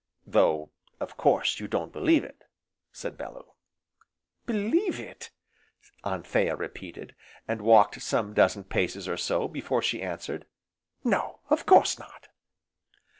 "Though, of course, you don't believe it," said Bellew. "Believe it!" Anthea repeated, and walked some dozen paces, or so, before she answered, "no, of course not."